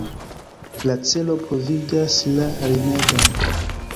La celo pravigas la rimedon.